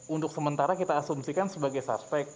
untuk sementara kita asumsikan sebagai suspek